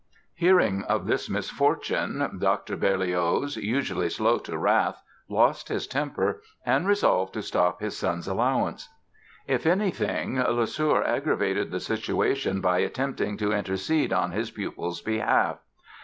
Hearing of this misfortune, Dr. Berlioz, usually slow to wrath, lost his temper and resolved to stop his son's allowance. If anything Lesueur aggravated the situation by attempting to intercede on his pupil's behalf.